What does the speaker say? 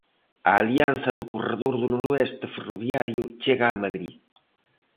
A alianza do Corredor do Noroeste ferroviario chega a Madrid.